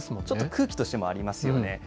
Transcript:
ちょっと空気としてもありますよね。